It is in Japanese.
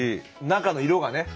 中の色がね。